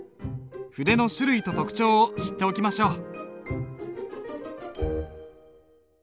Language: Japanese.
筆の種類と特徴を知っておきましょう。